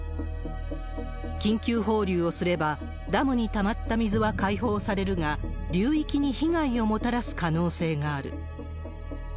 緊急放流をすれば、ダムにたまった水は開放されるが、流域に被害をもたらす可能性がある。